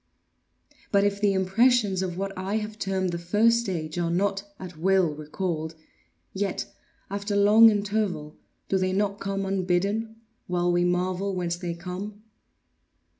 But if the impressions of what I have termed the first stage are not, at will, recalled, yet, after long interval, do they not come unbidden, while we marvel whence they come?